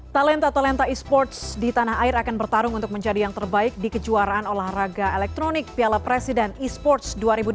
talenta talenta esports di tanah air akan bertarung untuk menjadi yang terbaik di kejuaraan olahraga elektronik piala presiden esports dua ribu dua puluh tiga